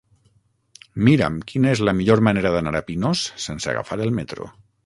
Mira'm quina és la millor manera d'anar a Pinós sense agafar el metro.